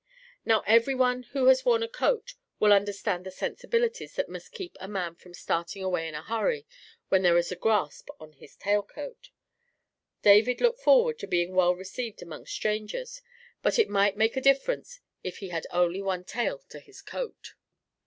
Now every one who has worn a coat will understand the sensibilities that must keep a man from starting away in a hurry when there is a grasp on his coat tail. David looked forward to being well received among strangers, but it might make a difference if he had only one tail to his coat.